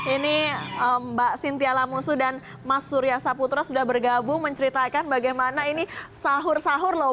ini mbak sintiala musuh dan mas surya saputra sudah bergabung menceritakan bagaimana ini sahur sahur loh